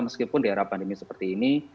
meskipun di era pandemi seperti ini